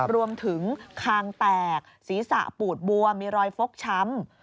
รวมถึงคางแตกศีรษะปูดบวมมีรอยฟกช้ำ